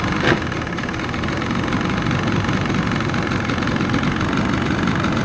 และมันกลายเป้าหมายเป้าหมายเป้าหมายเป้าหมาย